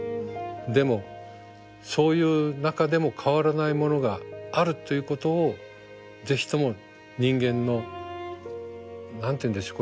でもそういう中でも変わらないものがあるということをぜひとも人間の何て言うんでしょう